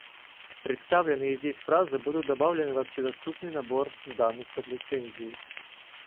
Представленные здесь фразы будут добавлены в общедоступный набор данных под лицензией